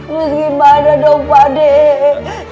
lu gimana dong pak dek